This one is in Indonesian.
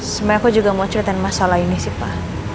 sebenarnya aku juga mau ceritain masalah ini sih pak